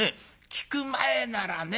聞く前ならね